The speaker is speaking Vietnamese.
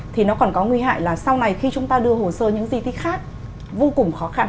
thì nó còn có nguy hại là sau này khi chúng ta đưa hồ sơ những di tích khác vô cùng khó khăn